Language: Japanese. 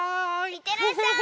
いってらっしゃい。